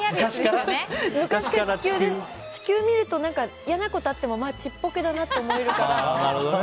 地球見ると、嫌なことあってもちっぽけだなと思えるから。